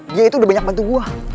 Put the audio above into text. dia itu udah banyak bantu gue